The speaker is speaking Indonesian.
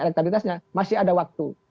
elektabilitasnya masih ada waktu